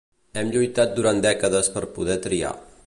Hem lluitat durant dècades per poder triar.